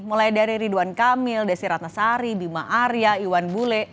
mulai dari ridwan kamil desi ratnasari bima arya iwan bule